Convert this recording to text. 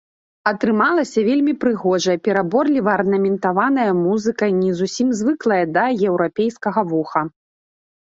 Атрымалася вельмі прыгожая, пераборліва арнаментаваная музыка, не зусім звыклая для еўрапейскага вуха.